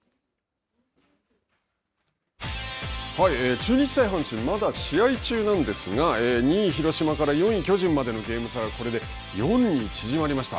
中日対阪神まだ試合中なんですが２位広島から４位巨人までのゲーム差がこれで４に縮まりました。